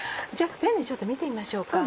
ペンネちょっと見てみましょうか。